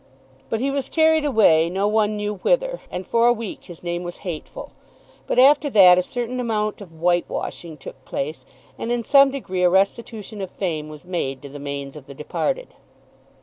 But he was carried away, no one knew whither, and for a week his name was hateful. But after that, a certain amount of whitewashing took place, and, in some degree, a restitution of fame was made to the manes of the departed.